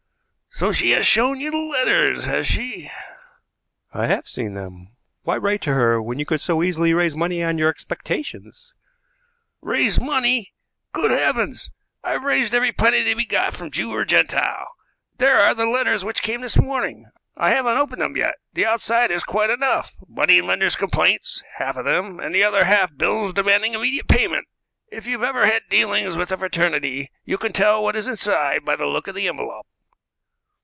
"So she has shown you the letters, has she?" "I have seen them. Why write to her when you could so easily raise money on your expectations?" "Raise money! Good heavens, I've raised every penny to be got from Jew or Gentile. There are the letters which came this morning. I haven't opened them yet, the outside is quite enough; money lenders' complaints, half of them, and the other half bills demanding immediate payment. If you've ever had dealings with the fraternity, you can tell what is inside by the look of the envelope."